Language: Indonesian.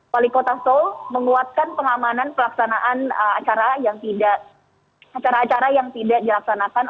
kuali kota seoul menguatkan pengamanan pelaksanaan acara yang tidak dilaksanakan